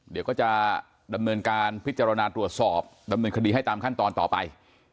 เดี๋ยวก็จะดำเนินการพิจารณาตรวจสอบดำเนินคดีให้ตามขั้นตอนต่อไป